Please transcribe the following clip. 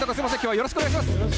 よろしくお願いします。